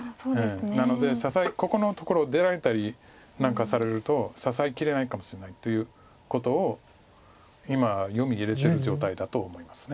なのでここのところを出られたりなんかされると支えきれないかもしれないということを今読み入れてる状態だと思います。